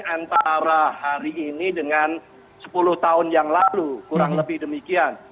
antara hari ini dengan sepuluh tahun yang lalu kurang lebih demikian